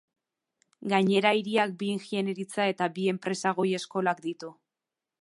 Gainera hiriak bi ingeniaritza eta bi enpresa goi-eskolak ditu.